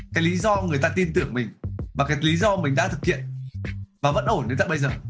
cái lý do người ta tin tưởng mình và cái lý do mình đã thực hiện và vẫn ổn đến tận bây giờ